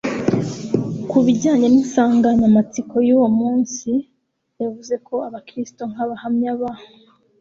ku bijyanye n'insanganyamatsiko y'uwo munsi, yavuze ko abakristu nk'abahamya ba